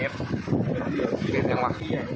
เว็บยังวะ